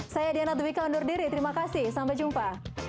saya diana dwi kondur diri terima kasih sampai jumpa